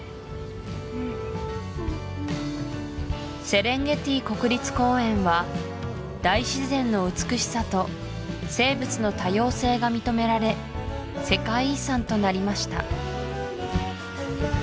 セレンゲティ国立公園は大自然の美しさと生物の多様性が認められ世界遺産となりました